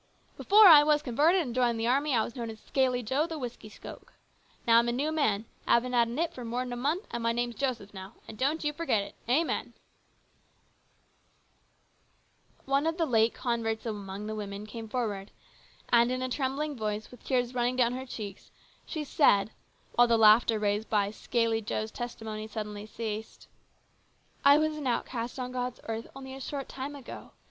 " Before I was converted and joined the army I was known as ' Scaly Joe, the whisky soak.' Now I'm a new man ; haven't had a nip for mor'n a month, and my name is Joseph now, and don't you forget it ! Amen !" One of the late converts among the women came forward, and in a trembling voice, with tears running down her cheeks, she said, while the laughter raised by " Scaly Joe's " testimony suddenly ceased :" I was an outcast on God's earth only a short time ago.